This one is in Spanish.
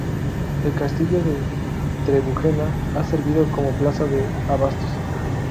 El castillo de Trebujena ha servido como Plaza de abastos.